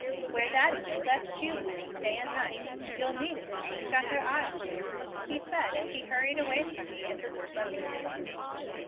"Wear that in your left shoe, honey, day and night. You'll need it if she's got her eye on you," he said as he hurried away from me into the smoking room.